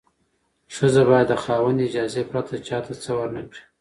ښځه باید د خاوند اجازې پرته چا ته څه ورنکړي.